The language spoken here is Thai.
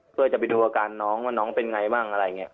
เพื่อจะไปดูอาการน้องว่าน้องเป็นไงบ้างอะไรอย่างนี้